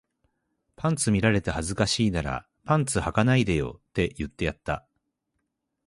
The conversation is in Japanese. パンツ見られて恥ずかしいならパンツ履かないでよって言ってやった